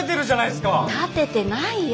立ててないよ。